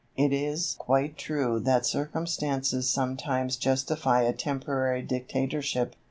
It is quite true that circumstances sometimes justify a temporary dictatorship.